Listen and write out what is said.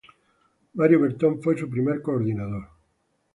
Mario Bertone fue su primer coordinador.